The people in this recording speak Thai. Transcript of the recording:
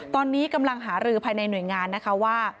ตอนนี้กำลังหารือภายในหน่วยงานนะคะว่า